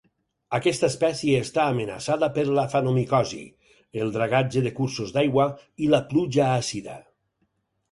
Aquesta espècie està amenaçada per l'afanomicosi, el dragatge de cursos d'aigua i la pluja àcida.